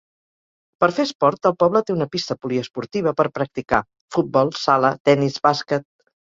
Per fer esport, el poble té una pista poliesportiva per practicar: futbol sala, tenis, bàsquet.